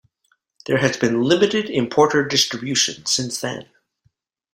There has been limited importer-distribution since then.